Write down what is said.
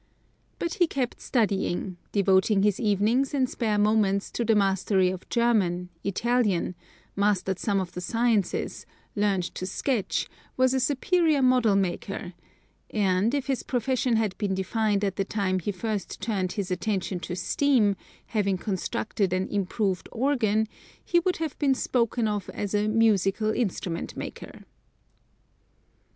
But he kept studying, devoting his evenings and spare moments to the mastery of German, Italian, mastered some of the sciences, learned to sketch, was a superior model maker; and, if his profession had been defined at the time he first turned his attention to steam, having constructed an improved organ, he would have been spoken of as a musical instrument maker.